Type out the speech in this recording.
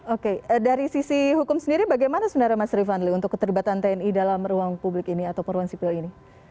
oke dari sisi hukum sendiri bagaimana sebenarnya mas rifanli untuk keterlibatan tni dalam ruang publik ini atau peruang sipil ini